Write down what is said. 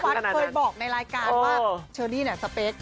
พี่ป้องนวัดเคยบอกในรายการว่าเชอรี่เนี่ยสเปก